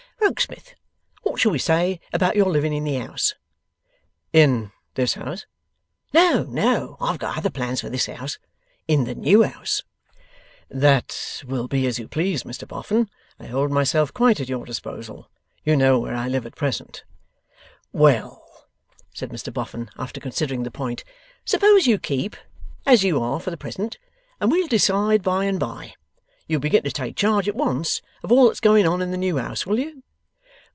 Rokesmith, what shall we say about your living in the house?' 'In this house?' 'No, no. I have got other plans for this house. In the new house?' 'That will be as you please, Mr Boffin. I hold myself quite at your disposal. You know where I live at present.' 'Well!' said Mr Boffin, after considering the point; 'suppose you keep as you are for the present, and we'll decide by and by. You'll begin to take charge at once, of all that's going on in the new house, will you?